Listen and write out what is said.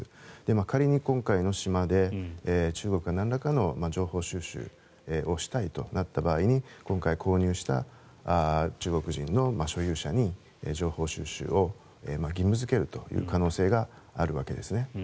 仮に今回の島で中国がなんらかの情報収集をしたいとなった場合に今回、購入した中国人の所有者に情報収集を義務付けるという可能性があるわけです。